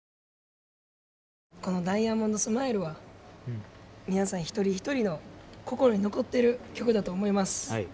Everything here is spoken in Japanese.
この「ダイヤモンドスマイル」は皆さん一人一人の心に残っている曲だと思います。